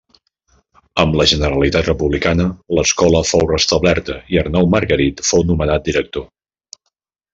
Amb la Generalitat republicana, l’escola fou restablerta i Arnau Margarit fou nomenat director.